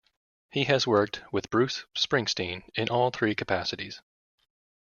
He has worked with Bruce Springsteen in all three capacities.